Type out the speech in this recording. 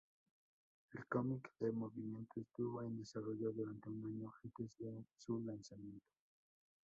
El cómic de movimiento estuvo en desarrollo durante un año antes de su lanzamiento.